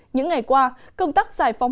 những ngày qua công tác giải phóng